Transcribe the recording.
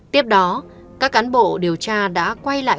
tiếp đó các cán bộ điều tra đã quay lại